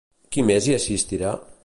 Qui més hi assistirà?